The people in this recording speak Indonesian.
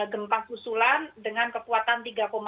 gempa susulan dengan kekuatan tiga empat